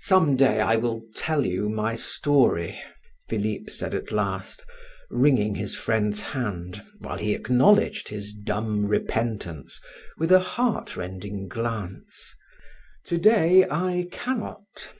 "Some day I will tell you my story," Philip said at last, wringing his friend's hand, while he acknowledged his dumb repentance with a heart rending glance. "To day I cannot."